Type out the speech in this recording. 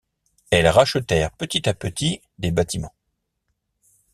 Elles rachetèrent petit à petit des bâtiments.